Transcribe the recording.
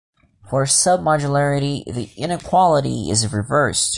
For submodularity, the inequality is reversed.